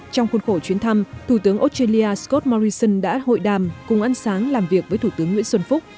trong khuôn khổ chuyến thăm thủ tướng australia scott morrison đã hội đàm cùng ăn sáng làm việc với thủ tướng nguyễn xuân phúc